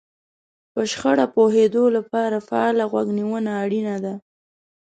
په شخړه پوهېدو لپاره فعاله غوږ نيونه اړينه ده.